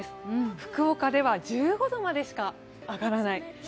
福岡では１５度までしか上がらない。